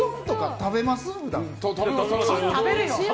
食べるよ！